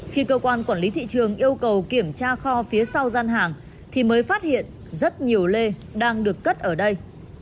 khi cơ quan quản lý thị trường yêu cầu kiểm tra kho phía sau gian hàng thì mới phát hiện rất nhiều lê đang được cất ở đây